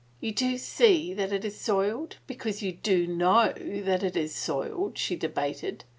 " You do see that it is soiled because you do know that it is soiled," she debated.